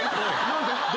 何で？